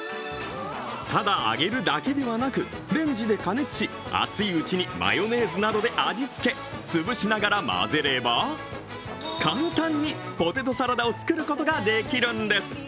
ただ揚げるだけではなく、レンジで加熱し熱いうちにマヨネーズなどで味付け、潰しながら混ぜれば、簡単にポテトサラダを作ることができるんです。